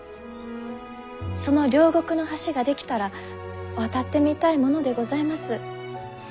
その両国の橋が出来たら渡ってみたいものでございます。